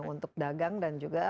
untuk dagang dan juga